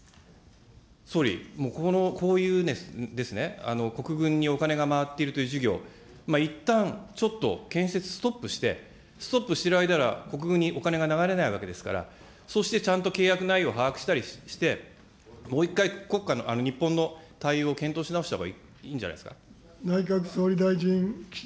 総理、もうこういうですね、国軍にお金が回っているという事業、いったんちょっと建設ストップして、ストップしていただいたら、国軍にお金が流れないわけですから、そしてちゃんと契約内容を把握したりして、もう一回国家の、日本の対応を検討し直したほうがいいんじゃないですか。